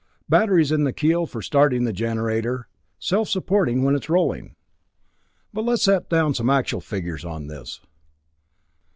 Batteries in the keel for starting the generator.... Self supporting when it's rolling.... "But let's set down some actual figures on this."